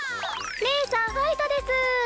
ねえさんファイトです！